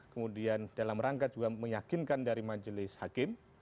kemudian dalam rangka juga meyakinkan dari majelis hakim